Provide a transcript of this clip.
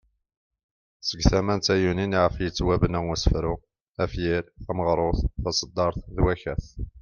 Seg tama n tayunin iɣef yettwabena usefru, afyir, tameɣrut ,taseddart ,d wakat.